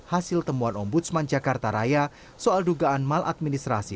hasil temuan ombudsman jakarta raya soal dugaan maladministrasi